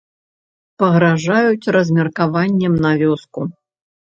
Пагражаюць размеркаваннем на вёску.